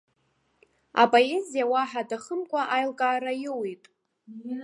Апоезиа уаҳа аҭахымкәа аилкаара аиуит.